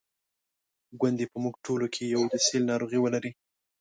ګوندي په موږ ټولو کې یو د سِل ناروغي ولري.